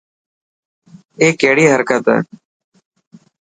اي ڪهڙي حرڪت هي.